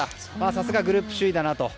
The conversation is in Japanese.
さすがグループ首位だなと。